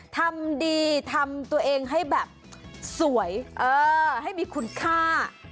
ถ้าสวยให้มีคุณค่า